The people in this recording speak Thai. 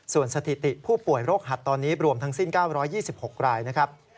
ส่วนสถิติผู้ป่วยโรคหัดตอนนี้รวมทั้งสิ้น๙๒๖รายนะครับ